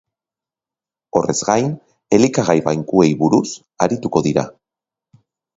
Horrez gain, elikagai bankuei buruz arituko dira.